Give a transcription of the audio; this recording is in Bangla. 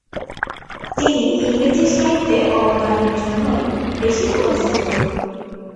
তিনি ইংরেজি সাহিত্যে অবদানের জন্যই বেশি পরিচিত।